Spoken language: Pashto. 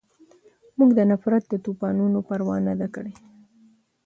مونږ د نفرت د طوپانونو پروا نه ده کړې